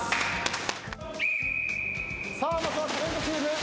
さあまずはタレントチーム。